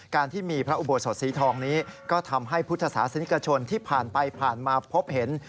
การที่มีพระอุโบสถสีทองนี้ก็ทำให้พุทธศาสนิกชนที่ผ่านไปผ่านมาพบเห็น